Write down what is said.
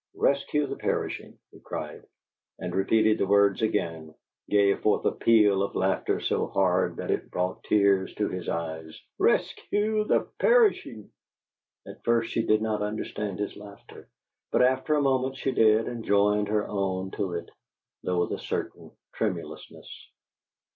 'Rescue the Perishing'!" he cried, and repeating the words again, gave forth a peal of laughter so hearty that it brought tears to his eyes. "'RESCUE THE PERISHING'!" At first she did not understand his laughter, but, after a moment, she did, and joined her own to it, though with a certain tremulousness.